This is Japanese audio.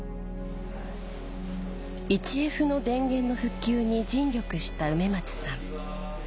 １Ｆの電源の復旧に尽力した梅松さん